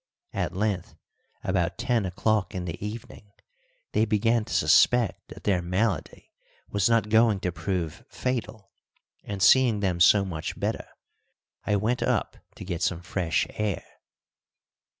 At length, about ten o'clock in the evening, they began to suspect that their malady was not going to prove fatal, and, seeing them so much better, I went up to get some fresh air.